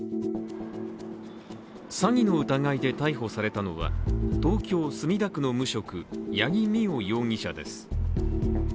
詐欺の疑いで逮捕されたのは東京・墨田区の無職、八木美緒容疑者です。